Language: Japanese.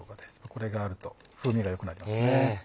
これがあると風味が良くなりますね。